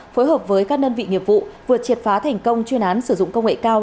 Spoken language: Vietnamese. phối hợp với các đơn vị nghiệp vụ vừa triệt phá thành công chuyên án sử dụng công nghệ cao